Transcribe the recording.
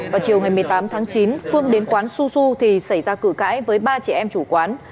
vào chiều ngày một mươi tám tháng chín phương đến quán su su thì xảy ra cử cãi với ba chị em chủ quán